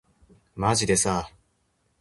まじでさ